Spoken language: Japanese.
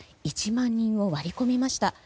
１万人を割り込みました。